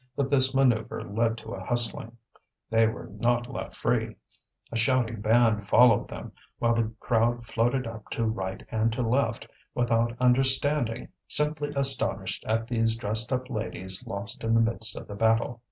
But this manoeuvre led to a hustling. They were not left free, a shouting band followed them, while the crowd floated up to right and to left, without understanding, simply astonished at these dressed up ladies lost in the midst of the battle.